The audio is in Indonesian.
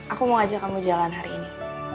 aku mau ajak kamu jalan hari ini